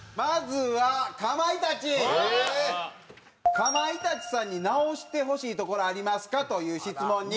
「かまいたちさんに直してほしいところありますか？」という質問に。